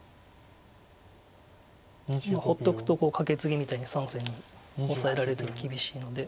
放っとくとカケツギみたいに３線にオサえられても厳しいので。